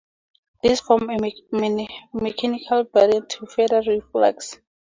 This forms a mechanical barrier to further reflux.